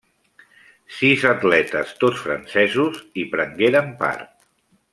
Sis atletes, tots francesos, hi prengueren part.